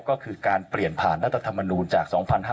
ก็คือการเปลี่ยนผ่านรัฐธรรมนูลจาก๒๕๕๙